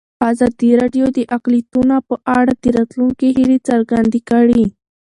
ازادي راډیو د اقلیتونه په اړه د راتلونکي هیلې څرګندې کړې.